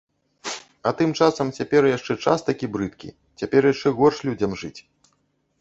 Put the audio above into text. А тым часам цяпер яшчэ час такі брыдкі, цяпер яшчэ горш людзям жыць.